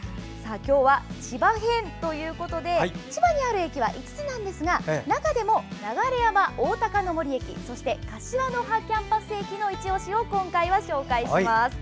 今日は千葉編ということで千葉にある駅は５つなんですが中でも流山おおたかの森駅柏の葉キャンパス駅のいちオシを今回は紹介します。